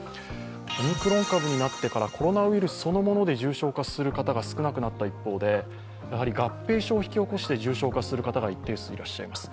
オミクロン株なってから、コロナウイルスそのもので重症化する方が少なくなった一方で、合併症を引き起こして重症化する方が一定数います。